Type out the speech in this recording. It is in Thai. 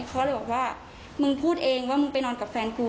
เขาเลยบอกว่ามึงพูดเองว่ามึงไปนอนกับแฟนกู